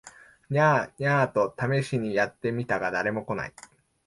ニャー、ニャーと試みにやって見たが誰も来ない